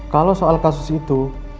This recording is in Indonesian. kalau soal kasus itu